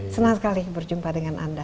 senang sekali berjumpa dengan anda